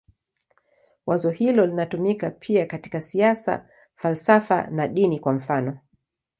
Wazo hilo linatumika pia katika siasa, falsafa na dini, kwa mfanof.